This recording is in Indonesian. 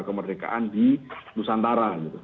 kemerdekaan di nusantara